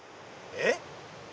えっ？